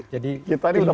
jadi kita ini udah paham